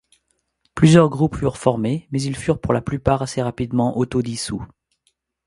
Plusieurs groupes furent formés, mais ils furent pour la plupart assez rapidement auto-dissous.